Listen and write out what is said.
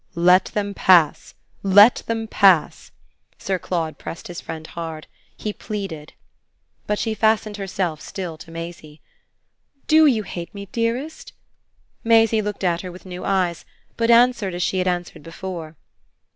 "Let them pass let them pass!" Sir Claude pressed his friend hard he pleaded. But she fastened herself still to Maisie. "DO you hate me, dearest?" Maisie looked at her with new eyes, but answered as she had answered before.